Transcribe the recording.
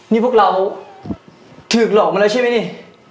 นี่พวกเราถูกหลอกมาแล้วใช่ไหมนี่